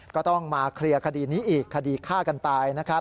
ก็ต้องมาเคลียร์คดีนี้อีกคดีฆ่ากันตายนะครับ